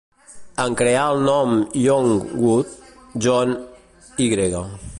En crear el nom Youngwood, John Y.